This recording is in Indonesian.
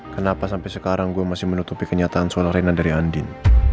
kenapa sampe sekarang gue masih menutupi kenyataan soal reina dari andin